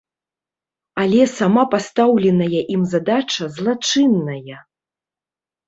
Але сама пастаўленая ім задача злачынная!